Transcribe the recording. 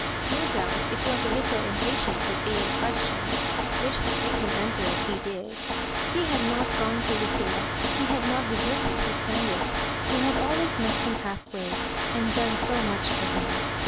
No doubt it was a little impatience at being questioned which had made him answer as he^did. He had not gone to Lucilla — ^he had not deserted her stand ard, who had always met him half way, and done so much for him.